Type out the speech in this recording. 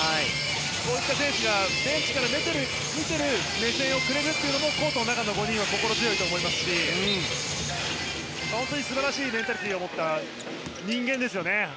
こういった選手がベンチから見て目線をくれるというのもコートの中の５人は心強いと思いますし本当に素晴らしいメンタリティーを持った人間ですよね。